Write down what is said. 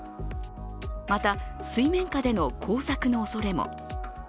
また、水面下での工作のおそれも。